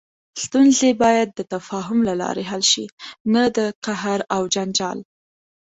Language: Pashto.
ستونزې باید د تفاهم له لارې حل شي، نه د قهر او جنجال.